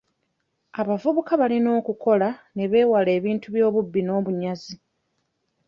Abavubuka balina okukola ne beewala ebintu by'obubbi n'obunyazi.